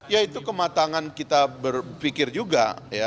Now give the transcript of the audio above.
yaitu kematangan kita berpikir juga ya